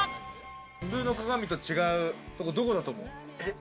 普通の鏡と違うところ、どこだと思う？